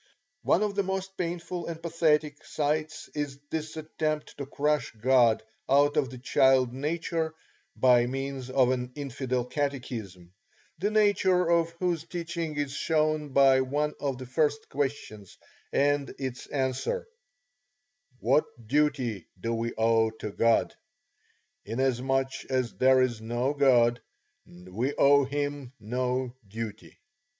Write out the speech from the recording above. One of the most painful and pathetic sights is this attempt to crush God out of the child nature by means of an infidel catechism, the nature of whose teaching is shown by one of the first questions and its answer: "What duty do we owe to God? Inasmuch as there is no God, we owe Him no duty."